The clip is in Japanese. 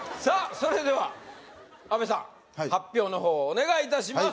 それでは阿部さんはい発表のほうをお願いいたします